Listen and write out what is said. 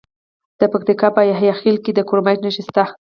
د پکتیکا په یحیی خیل کې د کرومایټ نښې شته.